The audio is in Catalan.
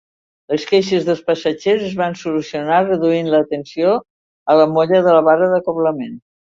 Les queixes dels passatgers es van solucionar reduint la tensió a la molla de la barra d'acoblament.